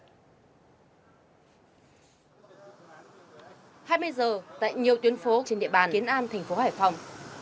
hai mươi giờ tại nhiều tuyến phố trên địa bàn kiến an tp hcm